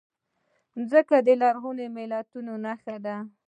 مځکه د لرغونو ملتونو نښه ده.